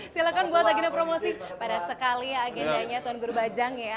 silahkan buat agennya promosi pada sekali ya agennya tuan guru bajang ya